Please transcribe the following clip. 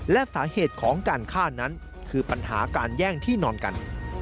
และสาเหตุของการฆ่านั้นคือปัญหาการแย่งที่นอนกัน